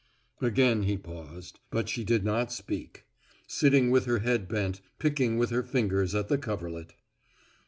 Again he paused, but she did not speak, sitting with her head bent, picking with her fingers at the coverlet.